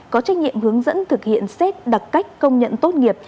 có trách nhiệm hướng dẫn thực hiện xét đặc cách công nhận tốt nghiệp